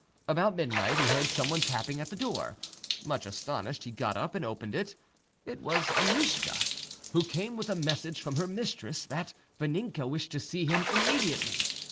About midnight he heard someone tapping at the door: much astonished, he got up and opened it. It was Annouschka, who came with a message from her mistress, that Vaninka wished to see him immediately.